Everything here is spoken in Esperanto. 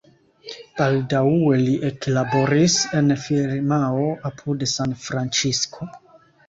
Baldaŭe li eklaboris en firmao apud San Francisco.